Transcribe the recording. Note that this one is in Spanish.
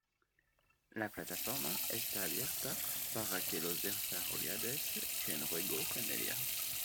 La plataforma está abierta para que los desarrolladores creen juegos en ella.